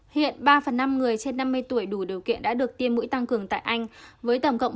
hiện ba phần năm người trên năm mươi tuổi đủ điều kiện đã được tiêm mũi tăng cường tại anh với tổng cộng